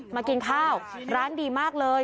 มากินข้าวร้านดีมากเลย